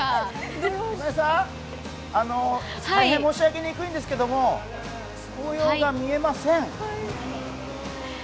今井さん、大変申し上げにくいんですけど紅葉が見えません。